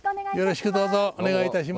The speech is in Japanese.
よろしくどうぞお願いいたします。